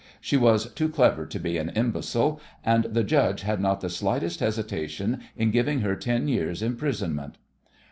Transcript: She was too clever to be an imbecile, and the judge had not the slightest hesitation in giving her ten years' imprisonment.